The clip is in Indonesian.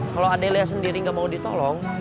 kalau adelia sendiri gak mau ditolong